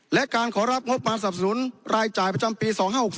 และการขอรับงบมาสนับสนุนรายจ่ายประจำปี๒๕๖๒